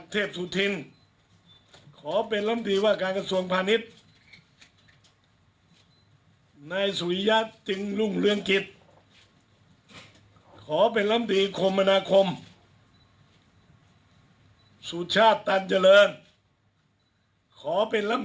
ทราบอย่างนี้ไหวไหม